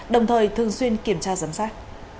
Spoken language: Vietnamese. đồng thời thường xuyên kiểm tra giám sát